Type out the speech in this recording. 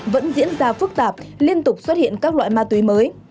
vẫn diễn ra phức tạp liên tục xuất hiện các loại ma túy mới